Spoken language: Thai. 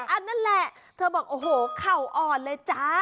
นั่นแหละเธอบอกโอ้โหเข่าอ่อนเลยจ้า